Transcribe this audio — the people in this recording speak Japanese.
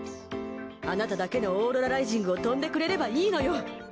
あなただけのオーロラライジングを跳んでくれればいいのよ。